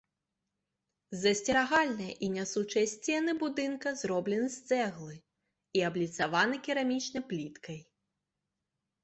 Засцерагальныя і нясучыя сцены будынка зробленыя з цэглы і абліцаваны керамічнай пліткай.